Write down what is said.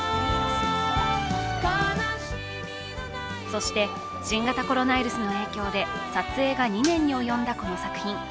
そして新型コロナウイルスの影響で撮影が２年に及んだこの作品。